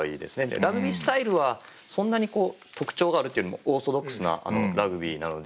ラグビースタイルはそんなに特徴があるっていうよりもオーソドックスなラグビーなので。